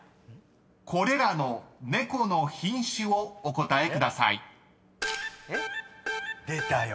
［これらの猫の品種をお答えください］出たよ。